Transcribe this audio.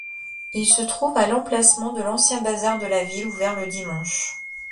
Il se trouve à l'emplacement de l'ancien bazar de la ville ouvert le dimanche.